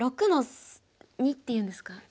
６の二っていうんですか。